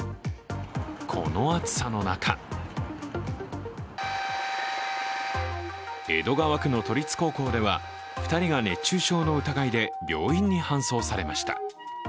この暑さの中江戸川区の都立高校では２人が熱中症の疑いで病院に搬送されました。